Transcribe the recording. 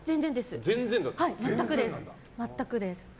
全くです。